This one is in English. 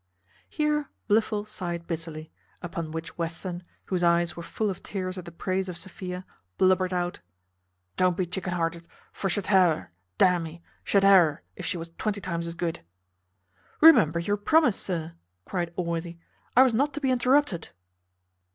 Here Blifil sighed bitterly; upon which Western, whose eyes were full of tears at the praise of Sophia, blubbered out, "Don't be chicken hearted, for shat ha her, d n me, shat ha her, if she was twenty times as good." "Remember your promise, sir," cried Allworthy, "I was not to be interrupted."